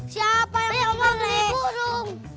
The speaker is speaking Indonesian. siapa yang mau beli burung